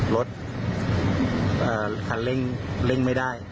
รถขันเร่งเร่งไม่ได้